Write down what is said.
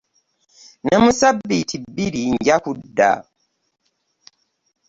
Ne mu ssabbiiti bbiri nja kudda.